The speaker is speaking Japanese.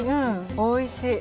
おいしい。